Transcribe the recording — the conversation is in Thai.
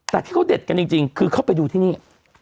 แต่ที่เขาเด็ดกันจริงคือเข้าไปดูที่นี่